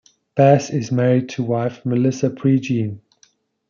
Bass is married to wife, Melissa Prejean.